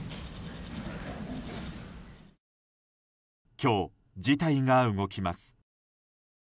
今日、事態が動きます。